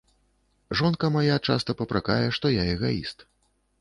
Жонка мая часта папракае, што я эгаіст.